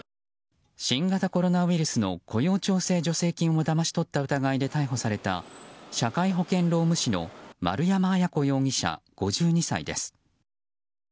新型コロナウイルスの雇用調整助成金をだまし取った疑いで逮捕された社会保険労務士の丸山文子容疑者、５２歳です。